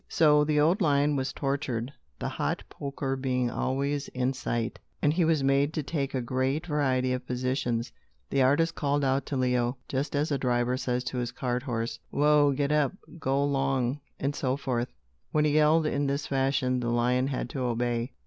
So the old lion was tortured the hot poker being always in sight and he was made to take a great variety of positions. The artist called out to Leo, just as a driver says to his cart horse, "whoa," "get up," "golong," etc. When he yelled in this fashion, the lion had to obey.